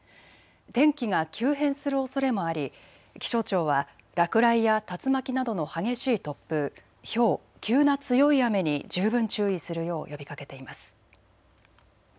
天気が急変するおそれもあり気象庁は落雷や竜巻などの激しい突風、ひょう、急な強い雨に十分注意するよう呼びかけています。